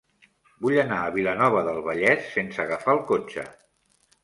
Vull anar a Vilanova del Vallès sense agafar el cotxe.